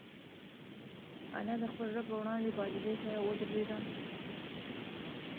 انا د خپل رب په وړاندې په عاجزۍ سره ودرېده.